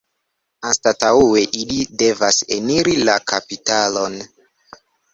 Anstataŭe ili devas eniri la kapitalon.